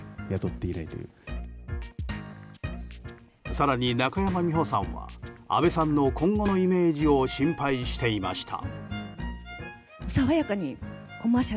更に、中山美穂さんは阿部さんの今後のイメージを心配していました。